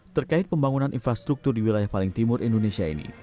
terkait pembangunan infrastruktur di wilayah paling timur indonesia ini